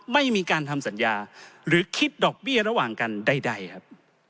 ไม่มีการทำสัญญาหรือคิดดอกเบี้ยระหว่างกันใดครับ